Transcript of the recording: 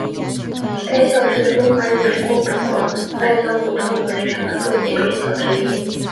该校是中华人民共和国外交部招募人员的重点院校之一。